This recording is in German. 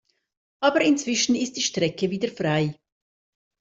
Aber inzwischen ist die Strecke wieder frei.